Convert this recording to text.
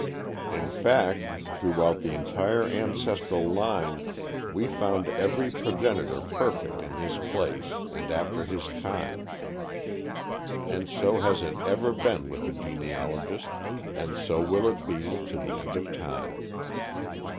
In fact, throughout the entire ancestral line we found every progenitor perfect in his place and after his kind. And so has it ever been with the genealogist, and so will it be to the end of time.